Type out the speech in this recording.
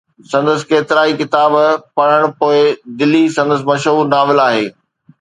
سندس ڪيترائي ڪتاب پڙهي پوءِ ”دلي“ سندس مشهور ناول آهي.